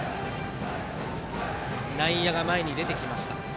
内野が前に出てきました。